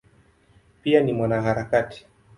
Pia ni mwanaharakati.